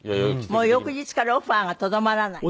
もう翌日からオファーがとどまらない？